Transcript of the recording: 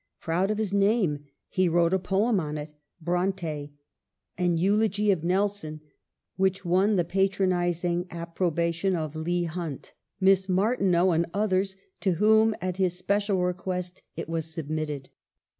Proud of his name ! He wrote a poem on it, ' Bronte,' an eulogy of Nelson, which won the patronizing approbation of Leigh Hunt, Miss Martineau, and others, to whom, at his special re quest, it was submitted.